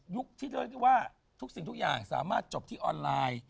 ที่เรียกได้ว่าทุกสิ่งทุกอย่างสามารถจบที่ออนไลน์